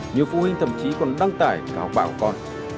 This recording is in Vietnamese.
nhiều phụ huynh thậm chí còn đăng tải cả học bạ của con